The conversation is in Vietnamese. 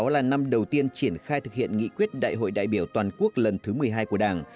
hai nghìn một mươi sáu là năm đầu tiên triển khai thực hiện nghị quyết đại hội đại biểu toàn quốc lần thứ một mươi hai của đảng